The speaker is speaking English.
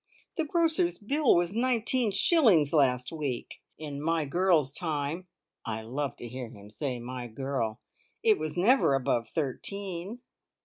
The grocer's bill was nineteen shillings last week. In "my girl's time" (I love to hear him say "My girl!") it was never above thirteen.